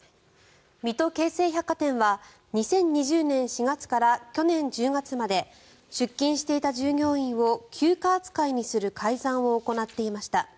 水戸京成百貨店は２０２０年４月から去年１０月まで出勤していた従業員を休暇扱いにする改ざんを行っていました。